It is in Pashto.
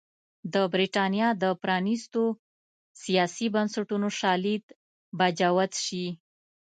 د برېټانیا د پرانېستو سیاسي بنسټونو شالید به جوت شي.